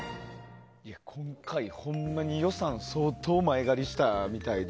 今回、ほんまに予算相当前借りしたみたいで。